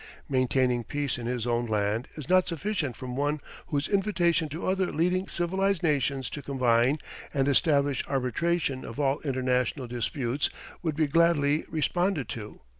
Maintaining peace in his own land is not sufficient from one whose invitation to other leading civilized nations to combine and establish arbitration of all international disputes would be gladly responded to.